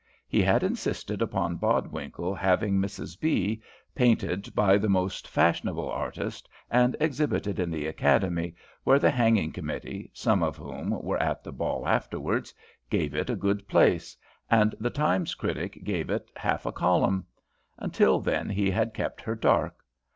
He had insisted upon Bodwinkle having Mrs B. painted by the most fashionable artist and exhibited in the Academy, where the hanging committee, some of whom were at the ball afterwards, gave it a good place, and the 'Times' critic gave it half a column. Until then he had kept her dark.